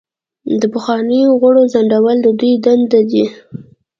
د پخوانیو غړو ځنډول د دوی دندې دي.